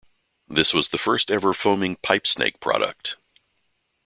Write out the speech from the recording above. This was the first-ever foaming pipe snake product.